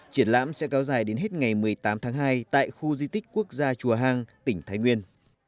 triển lãm sẽ kéo dài đến hết ngày một mươi tám tháng hai tại khu di tích quốc gia chùa hang tỉnh thái nguyên